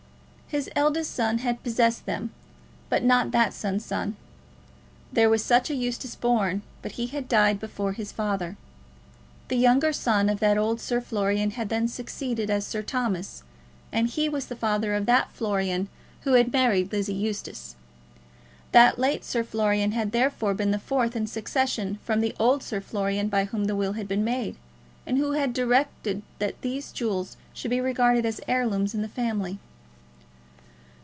His eldest son had possessed them, but not that son's son. There was such an Eustace born, but he had died before his father. The younger son of that old Sir Florian had then succeeded, as Sir Thomas, and he was the father of that Florian who had married Lizzie Eustace. That last Sir Florian had therefore been the fourth in succession from the old Sir Florian by whom the will had been made, and who had directed that these jewels should be regarded as heirlooms in the family.